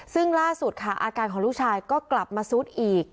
ซึ่งล่าสุดค่ะอาการของลูกชายก็กลับมาซุดอีก